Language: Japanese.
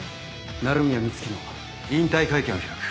鳴宮美月の引退会見を開く。